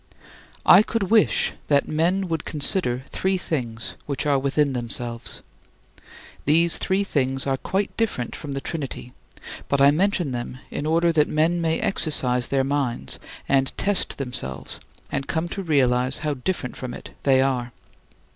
I could wish that men would consider three things which are within themselves. These three things are quite different from the Trinity, but I mention them in order that men may exercise their minds and test themselves and come to realize how different from it they are.